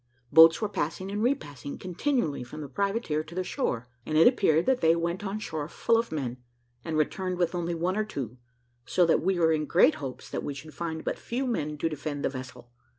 Boats were passing and repassing continualhy from the privateer to the shore; and it appeared, that they went on shore full of men, and returned with only one or two; so that we were in great hopes that we should find but few men to defend the vessel.